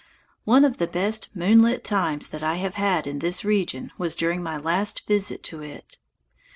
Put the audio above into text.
One of the best moonlit times that I have had in this region was during my last visit to it.